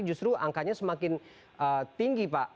justru angkanya semakin tinggi pak